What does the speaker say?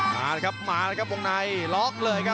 หากับมากับวงในล็อกเลยครับ